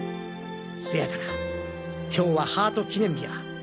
せやから今日はハート記念日や！